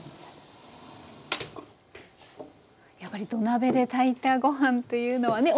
やっぱり土鍋で炊いたご飯っていうのはね